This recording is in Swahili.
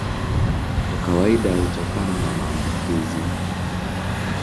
Kwa kawaida hutokana na maambukizi.